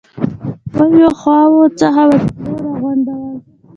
د ښکېلو خواوو څخه وسلو را غونډول.